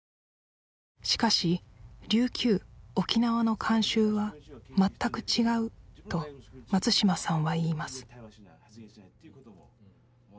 しかし琉球・沖縄の慣習は全く違うと松島さんは言います